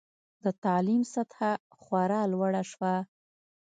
د تعلیم سطحه خورا لوړه شوه.